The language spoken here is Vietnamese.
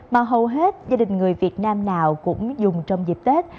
mà hầu hết gia đình người việt nam nào cũng dùng trong dịp tết